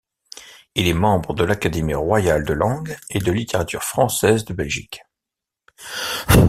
Il est membre de l'Académie royale de langue et de littérature françaises de Belgique.